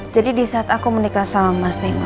jadi disaat aku menikah sama mas nino